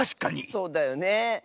そうだよね。